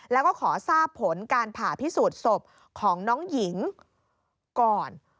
แล้วก็ขอทราบผลการผ่าพิสูจน์ศพของน้องหญิงก่อน